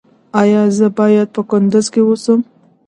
ایا زه باید په کندز کې اوسم؟